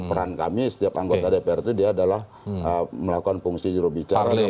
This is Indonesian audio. peran kami setiap anggota dpr itu dia adalah melakukan fungsi jurubicara